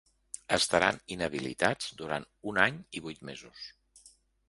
Estaran inhabilitats durant un any i vuit mesos.